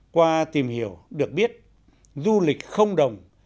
qua tìm hiểu được biết du lịch không đồng